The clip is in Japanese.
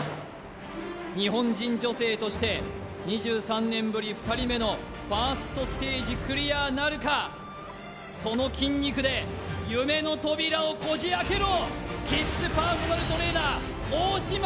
日本人女性として２３年ぶり２人目のファーストステージクリアなるかその筋肉で夢の扉をこじ開けろ！